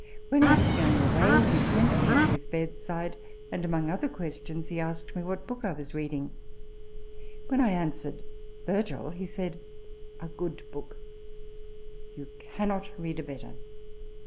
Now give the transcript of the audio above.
When I was going away he sent for me to his bedside, and among other questions asked me what book I was reading. When I answered, " Virgil," he said, " A good book ! you cannot read a better.